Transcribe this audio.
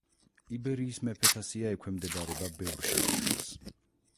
იბერიის მეფეთა სია ექვემდებარება ბევრ შეკითხვას.